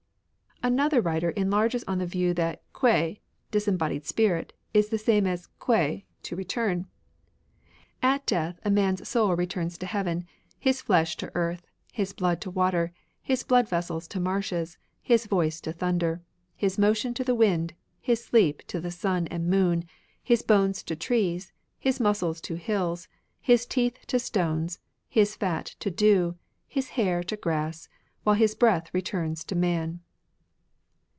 Another writer enlarges on the view that 53 RELIGIONS OF ANCIENT CHINA kuet '' disembodied spirit " is the same as kiiei " to return." " At death, man's soul returns to heaven, his flesh to earth, his blood to water, his blood vessels to marshes, his voice to thunder, his motion to the wind, his sleep to the sun and moon, his bones to trees, his muscles to hills, his teeth to stones, his fat to dew, his hair to grass, while his breath returns to man."